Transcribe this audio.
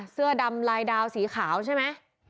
เสื้อดำลายดาวสีขาวใช่ไหม